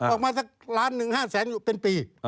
ออกมาสักล้านหนึ่งห้าแสงเป็นปี